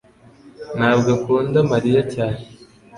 ntabwo akunda Mariya cyane.